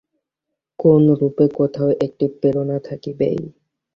কোনরূপে কোথাও একটি প্রেরণা থাকিবেই।